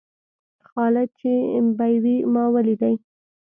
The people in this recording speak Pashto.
خالد چې بېوى؛ ما وليدئ.